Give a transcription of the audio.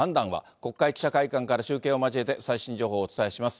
国会記者会館から中継を交えて最新情報をお伝えします。